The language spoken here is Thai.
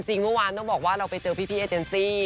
เมื่อวานต้องบอกว่าเราไปเจอพี่เอเจนซี่